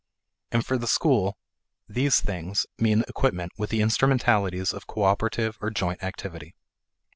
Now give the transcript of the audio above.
And for the school "these things" mean equipment with the instrumentalities of cooperative or joint activity.